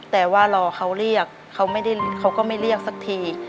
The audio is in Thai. แต่ว่ารอเขาเรียกเขาก็ไม่เรียกสักที